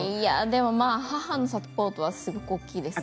でも母のサポートはすごく大きいです。